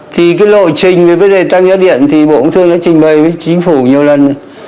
thì cái lộ trình về tăng giá điện thì bộ công thương đã trình bày với chính phủ nhiều lần